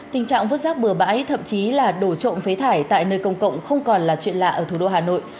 tình trạng vứt rác bừa bãi thậm chí là đổ trộm phế thải tại nơi công cộng không còn là chuyện lạ ở thủ đô hà nội